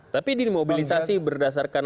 tapi dimobilisasi berdasarkan